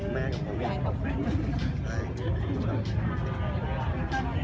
แม่กับผู้วิทยาลัย